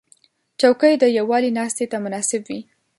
چوکۍ د یووالي ناستې ته مناسب وي.